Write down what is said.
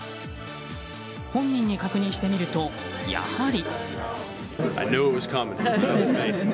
本人に確認してみると、やはり。